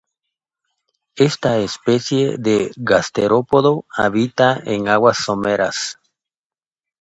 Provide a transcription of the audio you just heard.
Esta especie de gasterópodo habita en aguas someras.